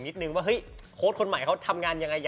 ผมว่าท่านอ่านงานเยอะแหละ